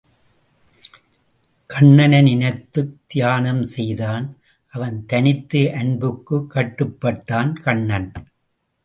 கண்ணனை நினைத்துத் தியானம் செய்தான், அவன் தனித்த அன்புக்குக் கட்டுப்பட்டான் கண்ணன்.